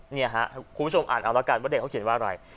นี่ครับคุณผู้ชมอ่านเอาละกันว่าเด็กเขาเขียนว่าอะไร